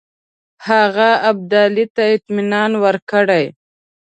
هغه ابدالي ته اطمینان ورکړی.